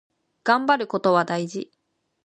がんばることは大事。